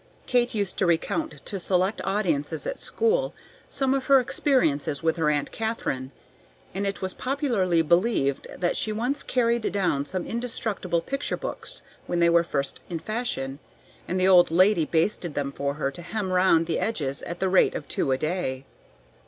Kate used to recount to select audiences at school some of her experiences with her Aunt Katharine, and it was popularly believed that she once carried down some indestructible picture books when they were first in fashion, and the old lady basted them for her to hem round the edges at the rate of two a day.